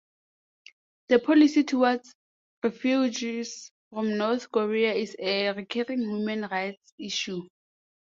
The policy toward refugees from North Korea is a recurring human rights issue.